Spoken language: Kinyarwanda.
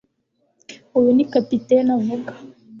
Uyu ni capitaine avuga